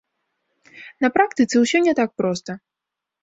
На практыцы ўсё не так проста.